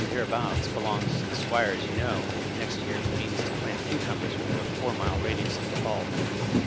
All the land hereabouts belongs to the Squire, as you know, and next year he means to plant cucumbers within a four mile radius of the Hall."